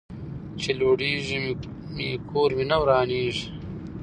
ـ چې لوريږي مې، کور مې نه ورانيږي.